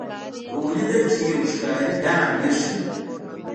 هغه ولیدل چې یو ښکاري دام ایښی دی.